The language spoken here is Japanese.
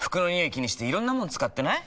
気にしていろんなもの使ってない？